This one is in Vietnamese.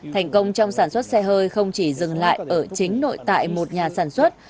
thành công trong sản xuất xe hơi không chỉ dừng lại ở chính nội tại một nhà sản xuất